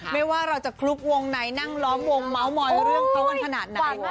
ไม่ว่าเราจะคลุกวงไหนนั่งล้อมวงเมาส์มอยเรื่องเขากันขนาดไหน